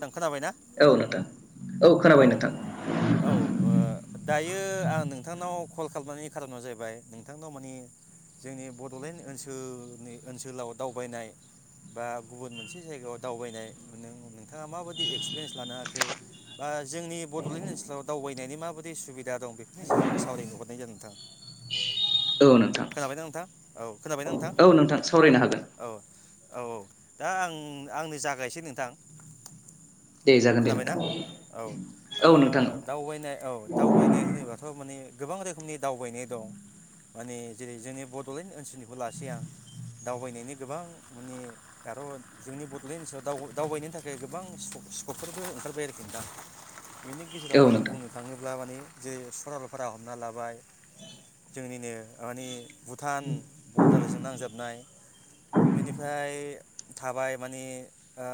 नोंथां खोनाबायना? औ नोंथां औ खोनाबाय नोंथां औ ओ दायो इयो आं नोंथांनाव कल खालामनायनि खार'ना जाहैबाय नोंथांनाव मानि जोंनि बड'लेण्ड ओनसोलनि ओनसोलाव दावबायनाय बा गुबुन मोनसे जायगायाव दावबायनाय नों नों नोंथाङा माबायदि एक्सपिरियेन्स लानो हाखो? बा जोंनि बड'लेण्ड ओनसोलाव दावबायनायनि माबायदि सुबिदा दं बेफोरनि सायाव आं सावरायनो हरनाय जादों नोंथा। औ नोंथां। औ। औ नोंथां सावरायनो हागोन। औ औ औ दा आं आंनो जागायसै नोंथां। दे जागोन दे खोनाबायना नोंथां औ ओ औ नोंथां दावबायनाय औ दावबायनाय होनोबाथ' मानि गोबां रोखोमनि दावबायनाय दं, मानि जेरै जोंनि बड'लेण्ड ओनसोलनिखौ लासै आं दावबायनायनि गोबां मानि आरो जोंनि बड'लेण्ड ओनसोलाव दावबायनायनि थाखाय गोबां सिथख सि ककफोरबो ओंखारबाय आरोखि नोंथां। बेनि औ गेजेरावनो जों नोंथां बुंनो थाङो। ब्ला माने जेरै सरलपारा हमना लाबाय जोंनिनो मानानि भुटान बरदारजों नांजाबनाय बेनिफ्राय थाबाय मानिे ओ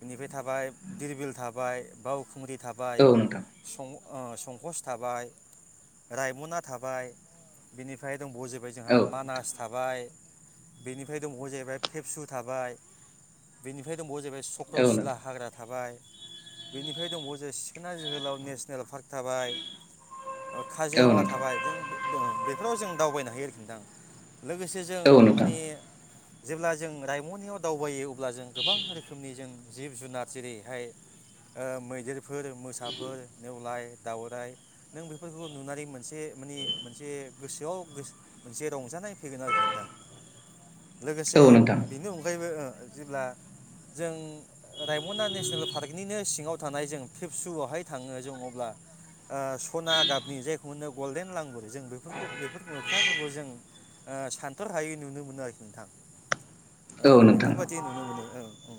बेनिफ्राय थाबाय, दिरबिल थाबाय, बावखुंग्रि थाबाय, औ नोंथां संकस थाबाय, रायमना थाबाय, बेनिफ्राय दंबावो जाहैबाय औ जोंहा मानास थाबाय, बेनिफ्राय दंबावो जाहैबाय फेबसु थाबाय बेनिफ्राय दंबावो जाहैबाय स नोंथां औ कक्रसिला नोंथां हाग्रा थाबाय, बेनिफ्राय दंबावो जो सिखोना जोहोलाव नेसनेल पार्क थाबाय, औ काजिरङा नोंथां थाबाय जों बे बेफोराव जों दावबायनो हायो आरोखि नोंथां, लोगोसे जों औ नोंथां माने जेब्ला जों रायमनायाव दावबायो अब्ला जों गोबां रोखोमनि जों जिब जुनार जेरैहाय मैदेरफोर मोसाफोर नेवलाय दाउराय नों बेफोरखौ नुनानै मोनसे माने मोनसे गोसोआव मोनसे रंजानाय फैगोन आरोखि नोंथां। लोगोसे बेनि अग अगायबो जेब्ला जों [unintelligible] रायमना नेसनेल पार्कनिनो सिङाव थानाय जों पिबसुआवहाय थाङो जों अब्ला सना गाबनि जायखौ होनो गल्डेन लांगुर जों बेफोरखौ बेफोर मोख्राफोरखौ जों सानथर हायै नुनो मोनो आरोखि। नोंथाङा ओ औ नोंथां बेफोरबायाददि नुनो मोनो। औ औ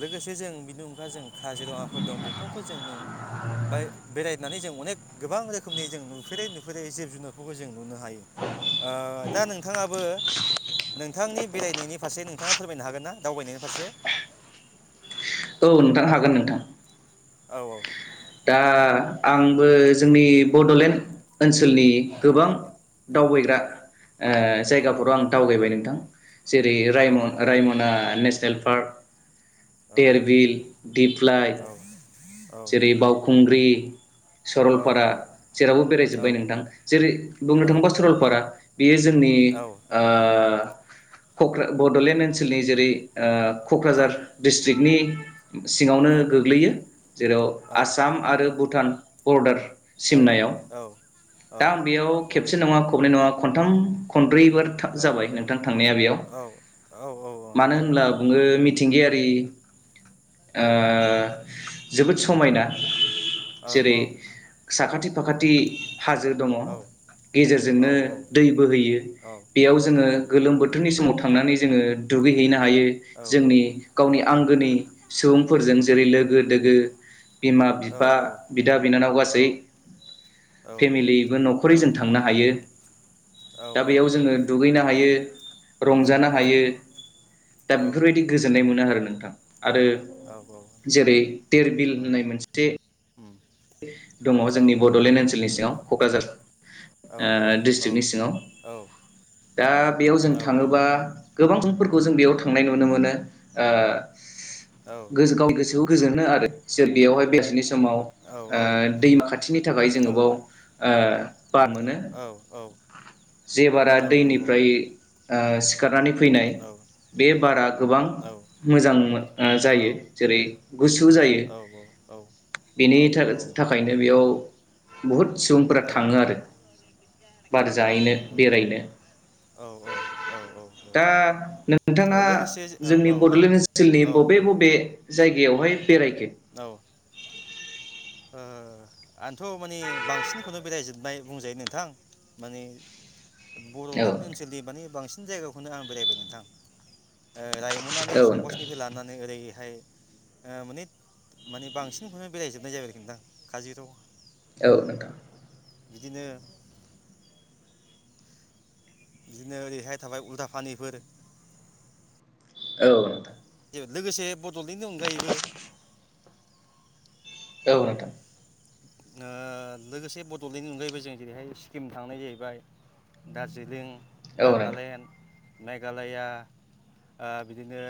लोगोसे जों बिनि अनगा जों काजिरङाफोर दं बेफोरावबो जों नों बाय बेरायनानै जों अनेक गोबां रोखोमनि जों नुफेरै नुफेरै जिब जुनारफोरखौ जों नुनो हायो, दा नोंथाङाबो नोंथांनि बेरायनायनि फारसे नोंथाङा फोरमायनो हागोन ना दावबायनायनि फारसे औ नोंथां हागोन नोंथां। औ औ दा आंबो जोंनि बड'लेण्ड ओनसोलनि गोबां औ दावबायग्रा ओ औ जायगाफोराव आं दावगायबाय नों दां जेरै औ राइम राइमना नेसनेल पार्क औ टेरबिल दिप्लाइ औ औ जेरै बावखुं ग्रि औ सरलपारा जेरावबो औ बेरायजोब्बाय नोंथां जेरै औ बुंनो थाङोबा सरलपारा। बेयो जोंनि औ ओ कक्रा बड'लेण्ड ओनसोलनि जेरै ओ। औ क'क्राझार दिस्ट्रिकनि सिङावनो औ गोग्लैयो जेराव आसाम आरो भुटान बरडार सिमनायाव दा आं बेयाव खेबसे नङा ख खनै नङा खनथाम खन ब्रैबार जाबाय नोंथां थांनाया बेयाव औ औ औ मानो नंगौ होनब्ला बुङो। थिंगियारि ओ औ जोबोद समायना औ औ जेरै साखाथि फाखाथि हाजो दङ औ औ गेजेरजोंनो औ दै बोहैयो बेयाव जोङो गोलोम बोथोरनि समाव थां थांनानै जोङो दुगैहैनो हा हायो जोंनि गावनि आंगोनि सुबुंफोरजों जेरै लोगो लोगो होस [unintelligible] बिमा बिफा बिदा बिनानाव गासै फेमिलिबो न'खरै जों थांनो हायो। औ दा बेयाव जोङो दुगैनो औ हायो रंजानो औ हायो दा औ बेफोरबायदि गोजोननाय मोनो आरो ना नोंथां आरो औ जेरै नंगौ ओ बिल औ होननाय मोनसे उम एस दङ औ जोंनि बड'लेण्ड ओनसोलनि सिङाव क'क्राझार औ ओ डिस्ट्रिक्नि सिङाव औ दा बेयाव जों औ थाङोबा गोबां सुबुंफोरखौ जों बेयाव थांनाय नुनो मोनो ओ औ गोस गाव गोसोआव गोजोनो आरो जो बेयावहाय बिसनिस समाव ओ दैमा खाथिनि थाखाय जोङो बाव ओ बार मोनो औ औ जे बारा औ नंगौ दैनिफ्राय ओ सिखारनानै फैनाय औ औ बे बारा गोबां औ औ मोजां ओ जायो औ औ जेरै गुसु जायो औ बेनि औ थाखाय जो थाखायनो बेयाव बहुत सुबुंफोरा औ थाङो आरो बार औ जाहैनो नंगौ नंगौ बेरायनो औ औ दा औ नोंथाङा लोगोसे औ जोंनि औ बड'लेण्ड ओनसोलनि औ बबे बबे जायगायावहाय बेरायखो ओ आन्थ' माने बांसिनखौनो बेरायजोबबाय बुंजायो नोंथां माने औ बड'लेण्ड ओनसोलनि माने बांसिन सिन जायगाखौनो आं बेरायबाय नोंथां ओ रायमनानि औ नोंथां संकसनिफ्राय लानानै ओरै नाथाय माने माने बांसिनखौनो बेरायजोबनाय जाबाय आरोखि नोंथां काजिरङा औ नोंथां बिदिनो बिदिनो ओरैहाय थाबाय उलथाफानिफोर औ नोंथां लोगोसे बडलेण्डनि अनगायैबो औ नोंथां ओ लोगोसे बड'लेण्डनि अनगायैबो जों जेरैहाय सिक्किम थांनाय जाहैबाय दार्जिलिं औ नोंथां नागालेण्ड, मेघालया बिदिनो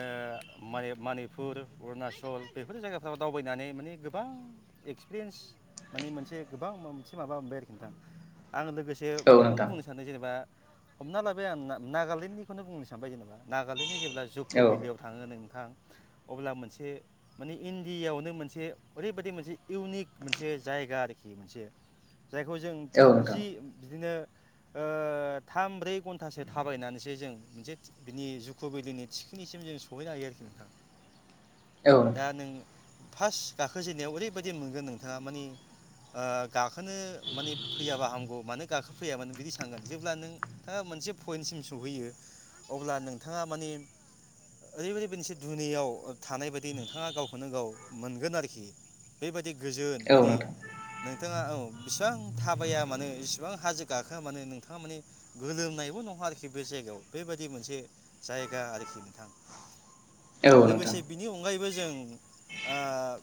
मनि मनिपुर, अरुणाचल बेफोर जायगाफ्राव दावबायनानै माने गोबां एक्सपिरियेन्स माने मोनसे गोबां मोनसे माबा मोनबाय आरोखि नोंथां। आं लोगोसे औ नोंथां औ बेखौनो नोंथां बुंनो सानो जेनेबा हमना लाबाय आं नागालेण्डनिखौनो बुंनो सानबाय जेनेबा, नागालण्डनि जे ब्ला जुकु औ नोंथां औ भेलियाव थाङो नोंथां अब्ला मोनसे माने इण्डियायावनो मोनसे ओरैबायदि मोनसे इउनिक मोनसे जायगा आरोखि मोनसे जायखौ जों नोंथां थामजि बिदिनो ओ थाम ब्रै घन्टासो थाबायनानैसो जों मोनसे बिनि जुखुुबिलिनि थिखोनिसिम जों सहैनो हायो आरोखि नोंथा। औ नोंथां औ नोंथां औ दा नों फार्स्ट गाखोजेननायाव ओरैबायदि मोनगोन नों थाङा मानि गाखो नो माने फैयाबा हामगौ मानोे गाखोफैयामोन बिदि सानगोन। जेब्ला नों नोंथाङा मोनसे पइन्टसिम सहैयो अब्ला नोंथाङा माने ओरैबायदि मोनसे दुनियाव थानाय बायदि नोंथाङा गावखौनो गाव मोनगोन आरोखि बेबायदि गोजोन माने नों नोंथाङा बेसिबां थाबाया मानोे इसिबां हाजो गाखोआ माने नोंथाङा माने गोलोमनायबो नङा आरोखि बे जायगायाव। बेबायदि मोनसे जायगा आरोखि नोंथां। लोगोसे नोंथां बिनि अनगायैबो जों ओ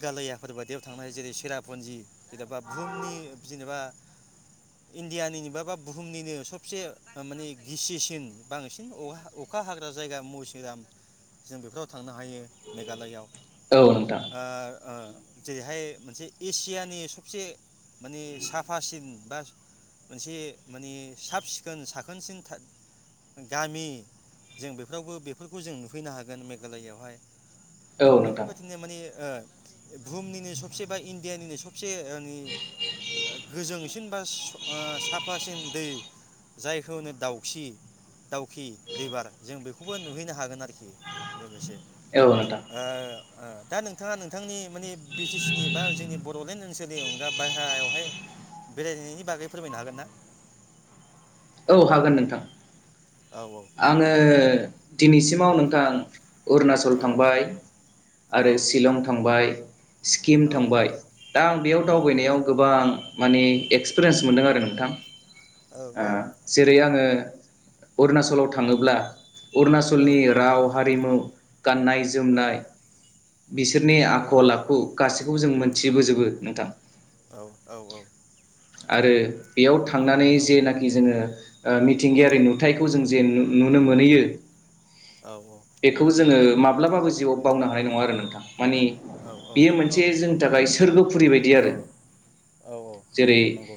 घालयाफोर बायियाव थांनो हायो। जेरै सेरापुन्जि जेन'बा बुहुमनि जेनेबा इण्डियानि निबा बा बुहुमनिनो सबसे माने गिसिसिन बांसिन अखा हाग्रा जायगा मोसिनराम जों बेफोराव थांनो हायो मेघालयाआव औ नोंथां। ओ जेरैहाय मोनसे एसियानि सबसे माने साफासिन बा मोनसे माने साब सिखोन साखोनसिन गामि जों बेफोरावबो बेफोरखौ जों नुफैनो हागोन मेघालयाआवहाय। बेफोरबायदिनो माने ओ बुहुमनिनो सबसे बा इण्डियानिनो सबसे माने गोजोंसिन बा साफासिन दै जायखौ दाउखि दाउखि रिभार जों बेखौबो नुहैनो हागोन आरोखि लोगोसे। औ नोंथां ओओ दा नोंथाङा नों थांनि माने बि टि सि नि बा जोंनि बड'लेण्ड ओनसोलनि अनगा बाहेरायावहाय बेरायनायनि बागै फोरमायनो हागोन ना? औ हागोन नोंथां। औ आङो दिनैसिमाव नोंथां अरुणाचल औ थांबाय औ आरो शलं थांबाय स्किम औ थांबाय दा आं बेयाव दावबायनायाव गोबां माने औ एक्सपिरियेन्स मोनदों आरो नोंथां औ जेरै आङो अरुणासल ओनसोलाव थाङोब्ला अरुणाचलनि राव हारिमु गाननाय जोमनाय बिसोरनि आखल आ आखु गासिबो बे खौ जों मोनथिबोजोबो नोंथां औ औ औ आरो बेयाव थांनानै जेनाखि जोङो मिथिंगायारि नुथायखौ जों नुनो मोनहैयो बेखौबो जोङो माबा माब्लाबाबो जिउआव बावनो हानाय नङा आरो नोंथां माने बेयो मोनसे जोंनि थाखाय सोरगोफुरि बायदि औ आरो औ औ जेरै नंगौ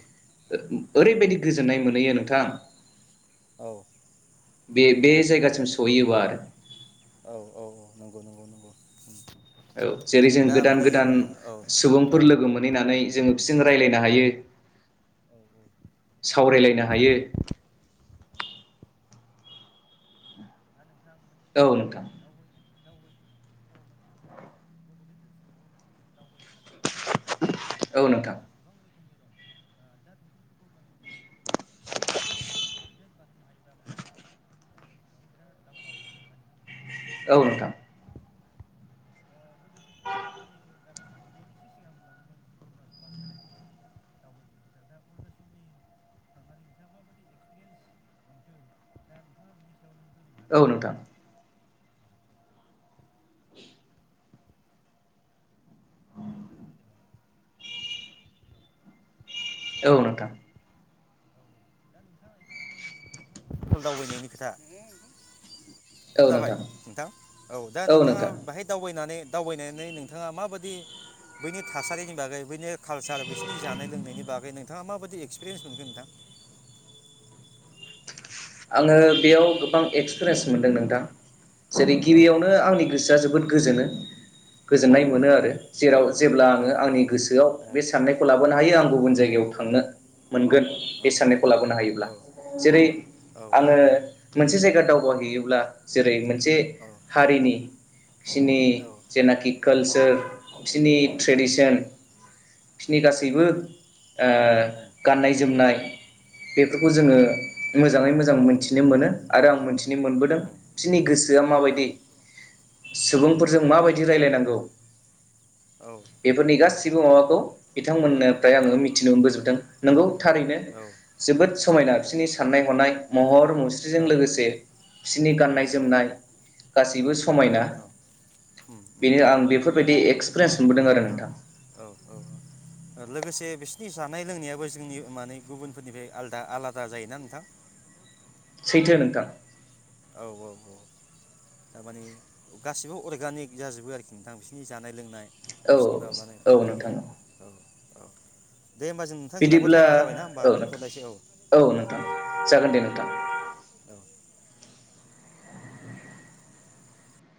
ओरैबायदि गोजोननाय मोनहैयो नोंथां औ बे बे जायगासिम सहैयोबा आरो [inaudible] औ औ औ नंगौ नंगौ नंगौ औ जेरै जों दा गोदान माने गोदान औ औ सुबुंफोर लोगो मोनहैनानै जोङो बिसजों रायलायनो औ हायो औ दा सावरायलायनो नोंथां हायो जानो औ नोंथां दावबायनायनि खेथ्र'आव माने जोंनि बड'लेण्ड ओनसोलावबो मोनसे दावबायसालि [inaudible] मोनसे ओ औ नोंथां गोबां [inaudible] रोमनि दं दा बेफोरखौबो माने जों माने मोनसे बेखौ जों आपग्रेड बानायनो हायोबा माने जोंनि ओनसोलाव [inaudible] बि दावगागोन [inaudible] औ नोंथां औ लोगोसे नोंथाङा माने दाथ' एसे सिगां बुंलांदों अरुणचलाव बेरायनायनि खोथा दावबायनायनि खोथा दा अरुणाचलनि थांनानै नोंथाङा माबायदि एक्सपिरियेन्स मोनखो दा नोंथाङा बिनि सायाव नों। फोरमायनो हागोन औ नामा? नोंथां। औ नोंथां। औ दा नोंथाङा एसे सिगांदों नोंथाङ फुबल दावबायनायनि खोथा। खोनाबाय नोंथां औ दा नोंथाङा बेाहाय दावबायनानै। दावबायनानै नोंथाङा माबादि बैनि थासारिनि बागै बैनि। कालसार बिसोरनि जानाय लोंनायनि बागै नोंथाङा माबायदि। एक्सपिरियेन्स मोनगोन नोंथां। आङो बेयाव गोबां एक्सपिरियेन्स मोनदों नोंथां। जेरै औ गिबियावनो आंनि गोसोआ जोबोद गोजोनो। औ गोजोननाय मोनो आरो जेराव जेब्ला औ आङो आंनि गोसोआव ए बे साननायखौ लाबोनो उम हायो आं गुबुन जायगायाव थांनो। मोनगोन औ बे साननायखौ लाबोनो हायोब्ला औ जेरै औ आङो औ मोनसे उम जायगा दावबायहैैयोब्ला जेरै मोनसे औ हारिनि बिसिनि औ जेनाखि कालसार उम बिसिनि उम उम ट्रेडिसन बिसिनि गासैबो उम गाननाय जोमनाय। बेफोरखौ जोङो मोजाङै मोजां। उम उम मिथिनो मोनो। [unintelligible] दों उम बिसिनि गोसोआ औ माबायदि औ सुबुंफोरजों माबायदि रायलायनांगौ। औ [inaudible] बेफोरनि गासिबो माबा। खौ बिथांमोननो। ओमफ्राय आङो मिथिनो मोनबोजोबदों। नंगौ। थारैनो जोबोद औ समायना बिसोरनि साननाय हनाय। महर। मुस्रिजों लोगोसे बिसोरनि औ औ गाननाय जोमनाय औ गासिबो समायना औ उम उम बेनो उम आं बेफोरबायदि एक्स पिरियेन्स मोनबोदों आरो औ नोंथां। औ औ लोगोसे बिसिनि जानाय लोंनायाबो जोंनि माने गुबुनफोरनिफ्राय आलादा आलादा जायोना नोंथां। सैथो नोंथां। औ औ औ थारमानि गासिबो अर्गानिक जाजोबो आरोखि नोंथां बिसोरनि जानाय लोंनाय। औ बिसिनि माबानायफ्रा औ आरोखि नोंथां औ। औ। दे होमबा जों नोंथां जोंनाबो बिदिब्ला टाइमा जाबायना होमबा औ नोंथां दोन्थ'नायसै औ औ नोंथां दे जागोन दे नोंथां औ